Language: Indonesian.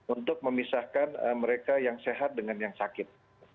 untuk memisahkan mereka yang sehat dengan yang sakit